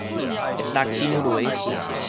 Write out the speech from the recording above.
六張犁